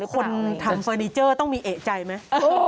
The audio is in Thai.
คนทำเฟอร์นิเจอร์ต้องมีเอกใจไหม